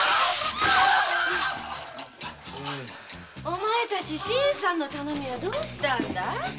お前たち新さんの頼みはどうしたんだい！？